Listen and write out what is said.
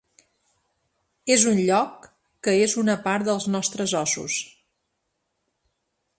És un lloc ‘que és una part dels nostres ossos’.